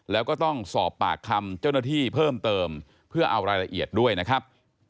แล้วก็ต้องสอบปากคำเจ้าหน้าที่เพิ่มเติมเพื่อเอารายละเอียดด้วยนะครับ